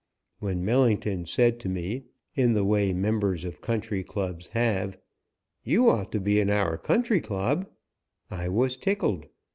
When Millington said to me, in the way members of Country Clubs have, "You ought to be in our Country Club," I was tickled.